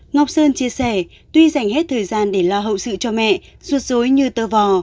ngọc sơn chia sẻ tuy dành hết thời gian để lo hậu sự cho mẹ ruột dối như tơ vò